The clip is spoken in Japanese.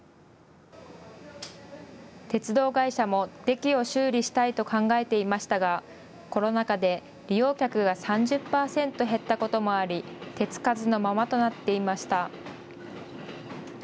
鉄道会社もデキを修理したいと考えていましたがコロナ禍で利用客が３０％減ったこともあり手付かずのままとなっていました。